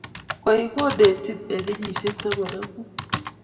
kioii konetin eng kenyishek taman ak mut